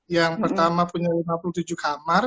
yang pertama punya lima puluh tujuh kamar